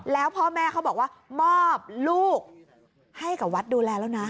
แล้วพ่อแม่เขาบอกว่ามอบลูกให้กับวัดดูแลแล้วนะ